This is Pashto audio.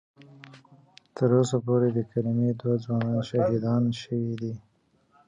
ـ تر اوسه پورې د کلي دوه ځوانان شهیدان شوي دي.